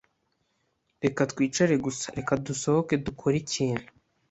Reka twicare gusa. Reka dusohoke dukore ikintu.